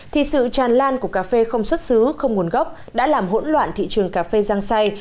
thì sự tràn lan của cà phê không xuất xứ không nguồn gốc đã làm hỗn loạn thị trường cà phê giang say